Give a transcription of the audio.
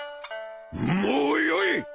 もうよい！